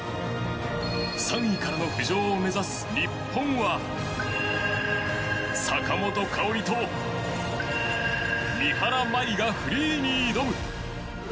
３位からの浮上を目指す日本は坂本花織と三原舞依がフリーに挑む。